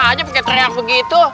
kaplanin saya memperbaiki luas